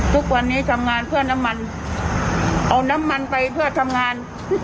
ทุกวันนี้ทำงานเพื่อน้ำมันเอาน้ำมันไปเพื่อทำงาน